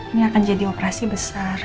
ini akan jadi operasi besar